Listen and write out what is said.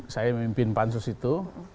saya memimpin pansus itu